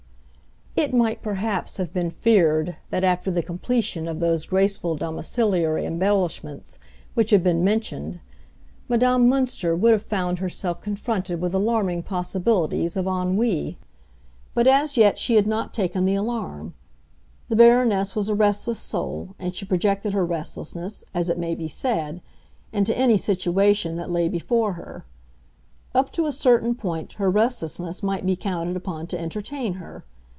It might perhaps have been feared that after the completion of those graceful domiciliary embellishments which have been mentioned Madame Münster would have found herself confronted with alarming possibilities of ennui. But as yet she had not taken the alarm. The Baroness was a restless soul, and she projected her restlessness, as it may be said, into any situation that lay before her. Up to a certain point her restlessness might be counted upon to entertain her.